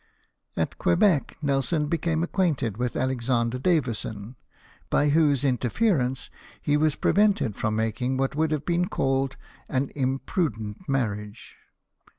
At (^)uebec Nelson became acquainted Avith Alexander Davison, by whose interference he was prevented fi*om making what would have been called an imprudent marriage.